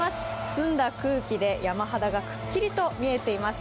澄んだ空気で山肌がくっきりと見えています。